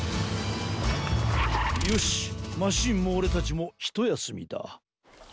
よしマシンもオレたちもひとやすみだ。